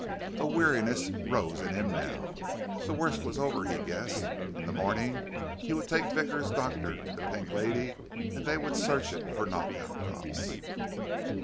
A weariness rose in him now. The worst was over, he guessed. In the morning, he would take Vickers' doctor to the Pink Lady and they would search it for knockout drops....